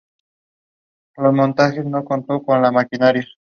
Actualmente radicado en Italia, donde toca con la banda "Plantation".